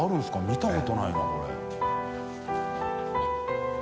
見たことないなこれ。